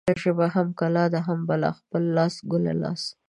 خپله ژبه هم کلا ده هم بلا. خپله لاسه ګله لاسه.